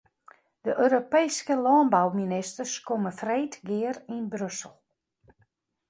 De Europeeske lânbouministers komme freed gear yn Brussel.